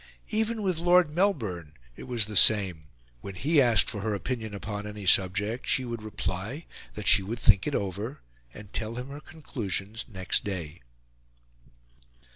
Even with Lord Melbourne, it was the same; when he asked for her opinion upon any subject, she would reply that she would think it over, and tell him her conclusions next day.